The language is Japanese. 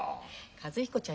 一彦ちゃん